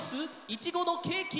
いちごのケーキ？